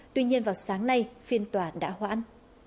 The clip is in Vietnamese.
tuy nhiên vào sáng nay phiên tòa đã hoãn